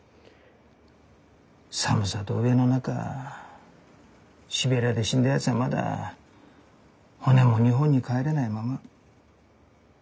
寒さと飢えの中シベリアで死んだやつはまだ骨も日本に帰れないまま。